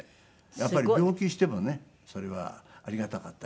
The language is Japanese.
やっぱり病気してもねそれはありがたかったですよね。